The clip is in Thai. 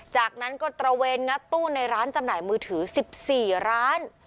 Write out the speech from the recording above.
จากนั้นก็ตระเวนงัดตู้ในร้านจำหน่ายมือถือ๑๔ร้าน